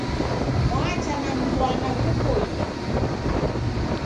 Mwacha na mzwana ghupoi